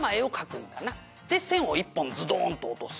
「で線を１本ズドンと落とす」